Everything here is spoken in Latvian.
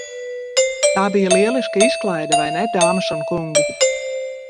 Tā bija lieliska izkalide vai ne, dāmas un kungi?